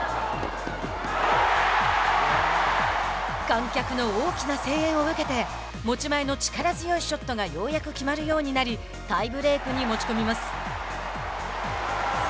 観客の大きな声援を受けて持ち前の力強いショットがようやく決まるようになりタイブレークに持ち込みます。